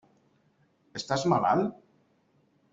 Estàs malalt?